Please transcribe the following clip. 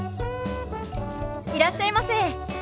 いらっしゃいませ。